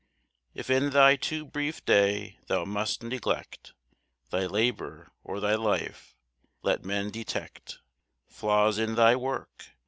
If in thy too brief day thou must neglect Thy labor or thy life, let men detect Flaws in thy work!